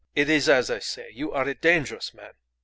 It is as I say. You are a dangerous man."